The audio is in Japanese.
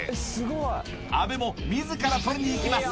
阿部も自らとりにいきます